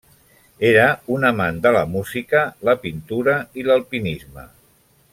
Era un amant de la música, la pintura i l'alpinisme.